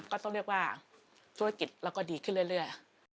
ก็ต้องเรียกว่าธุรกิจเราก็ดีขึ้นเรื่อย